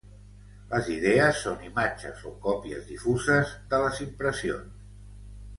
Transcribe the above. Les idees són imatges o còpies difuses de les impressions.